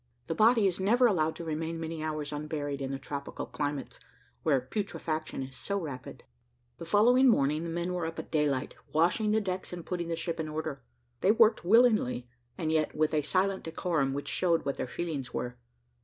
The body is never allowed to remain many hours unburied in the tropical climates, where putrefaction is so rapid. The following morning the men were up at daylight, washing the decks and putting the ship in order; they worked willingly, and yet with a silent decorum which showed what their feelings were.